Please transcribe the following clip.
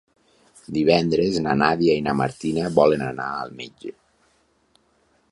Divendres na Nàdia i na Martina volen anar al metge.